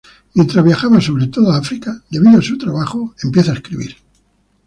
Mientras viaja, sobre todo a África, debido a su trabajo, empieza a escribir.